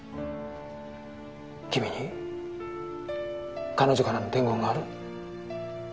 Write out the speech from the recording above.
君に彼女からの伝言がある。